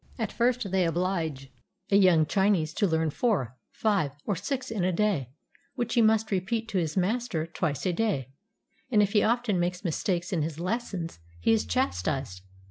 At first they obHge a young Chinese to learn four, five, or six in a day, which he must repeat to his master twice a day, and if he often makes mistakes in his lessons, he is chastised.